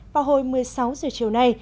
vào hồi một mươi sáu giờ chiều nay